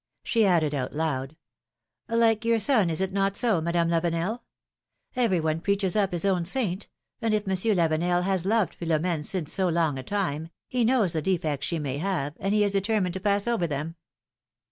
She added out loud : Like your son, is it not so, Madame Lavenel ? Every one preaches up his own saint, and if Monsieur Lavenel has loved Philomene since so long a time, he knows the defects she may have, and he is determined to pass over them!